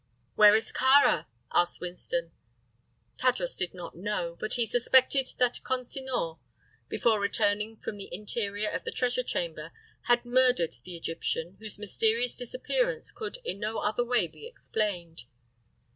"Where is Kāra?" asked Winston. Tadros did not know; but he suspected that Consinor, before returning from the interior of the treasure chamber, had murdered the Egyptian, whose mysterious disappearance could in no other way be explained.